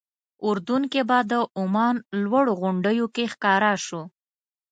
اردن کې به د عمان لوړو غونډیو کې ښکاره شو.